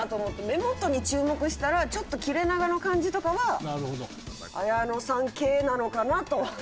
目元に注目したらちょっと切れ長の感じとかは綾野さん系なのかなと。